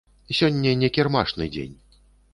Сёння не кірмашны дзень.